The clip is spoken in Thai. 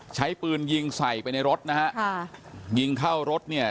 ใช้ปืนยิงใส่ไปในรถนะฮะค่ะยิงเข้ารถเนี่ย